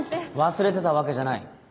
忘れてたわけじゃない。